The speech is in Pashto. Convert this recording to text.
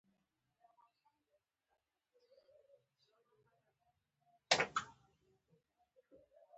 د نیماټوډ ناروغي څنګه وپیژنم؟